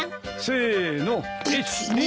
せの。